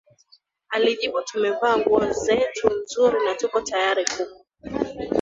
alijibu tumevaa nguo zetu nzuri na tupo tayari kufa